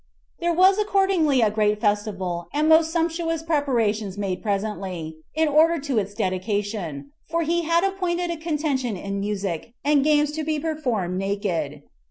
There was accordingly a great festival and most sumptuous preparations made presently, in order to its dedication; for he had appointed a contention in music, and games to be performed naked.